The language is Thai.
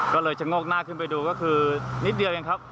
ก็เลยชะโงกหน้าขึ้นไปดูก็คือนิดเดียวเองครับ